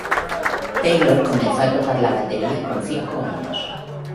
Taylor comenzó a tocar la batería con cinco años.